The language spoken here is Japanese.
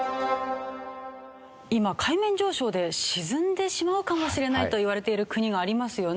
今海面上昇で沈んでしまうかもしれないといわれている国がありますよね？